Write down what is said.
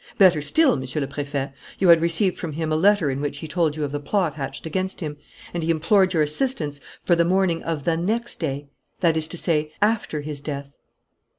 Better still, Monsieur le Préfet, you had received from him a letter in which he told you of the plot hatched against him, and he implored your assistance for the morning of the next day that is to say, after his death!